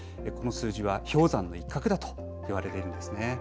この数字は、氷山の一角だといわれているんですね。